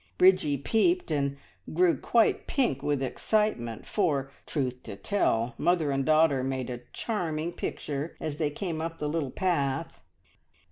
Bridgie peeped and grew quite pink with excitement, for, truth to tell, mother and daughter made a charming picture as they came up the little path.